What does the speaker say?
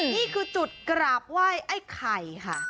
นี่คือจุดกราบไหว้ไอ้ไข่ค่ะ